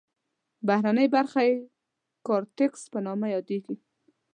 بهرنۍ برخه یې کارتکس په نامه یادیږي.